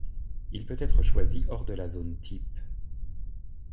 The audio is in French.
Il peut être choisi hors de la zone type.